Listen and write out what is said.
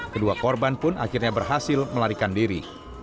kedua korban pun akhirnya berhasil melarikan diri